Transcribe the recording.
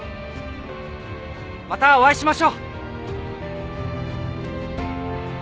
またお会いしましょう！